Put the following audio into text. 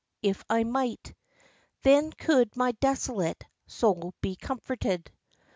if I might, Then could my desolate soul be comforted.